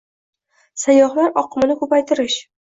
sayyohlar oqimini ko‘paytirish